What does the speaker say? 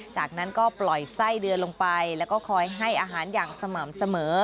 จากนั้นก็ปล่อยไส้เดือนลงไปแล้วก็คอยให้อาหารอย่างสม่ำเสมอ